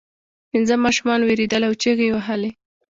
پنځه ماشومان ویرېدل او چیغې یې وهلې.